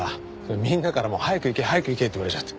みんなから早く行け早く行けって言われちゃって。